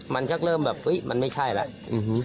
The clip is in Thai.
มันก็เริ่มแบบอุ๊ยมันไม่ใช่แล้วอือฮือ